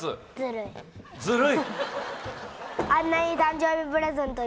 ずるい？